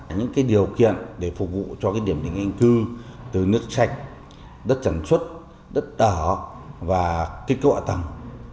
những điều kiện để phục vụ cho điểm định canh cư từ nước sạch đất sản xuất đất đỏ và cơ bạo tầng